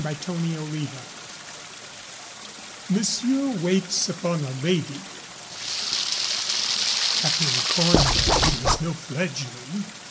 CHAPTER IV MONSIEUR WAITS UPON A LADY Captain Cornbury was no fledgling.